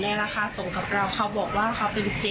ในราคาส่งกับเราเค้าบอกว่า